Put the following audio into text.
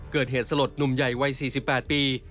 เกิดเหตุสลดหนุ่มใหญ่วัย๔๘ปี